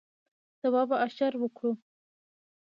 سبا به اشر وکړو